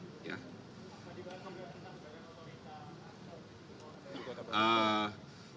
apa dibahas sama beliau tentang beliau menolong kita atau di kota kota